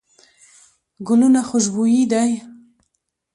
ګلونه خوشبوي دي.